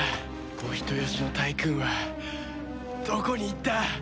お人よしのタイクーンはどこに行った？